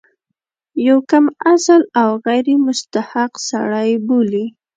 یو کم اصل او غیر مستحق سړی بولي.